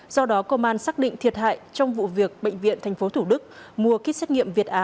do đó công an xác định thiệt hại trong vụ việc bệnh viện tp thủ đức mua kit xét nghiệm việt á